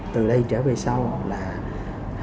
từ đây trở về sau là hạn chế